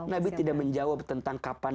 nabi tidak menjawab tentang kapan